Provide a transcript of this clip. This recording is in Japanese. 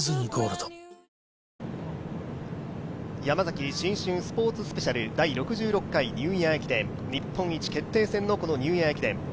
ヤマザキ新春スポーツスペシャル、第６６回ニューイヤー駅伝日本一決定戦のニューイヤー駅伝。